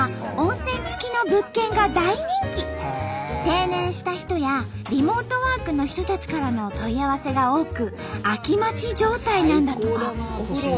定年した人やリモートワークの人たちからの問い合わせが多く空き待ち状態なんだとか。